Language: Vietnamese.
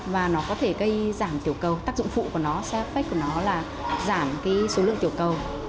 và nó có thể gây giảm tiểu cầu tác dụng phụ của nó sẽ phép của nó là giảm số lượng tiểu cầu